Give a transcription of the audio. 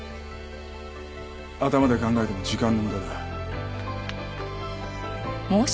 頭で考えても時間の無駄だ。